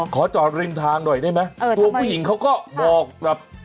ขอจอดริมทางหน่อยได้ไหมตัวผู้หญิงเขาก็บอกแบบ